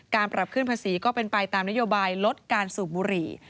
ปรับขึ้นภาษีก็เป็นไปตามนโยบายลดการสูบบุหรี่